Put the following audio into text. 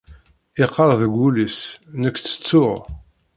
Iqqar deg wul-is: "Nekk ttettuɣ."